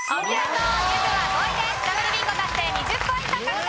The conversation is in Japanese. ダブルビンゴ達成２０ポイント獲得！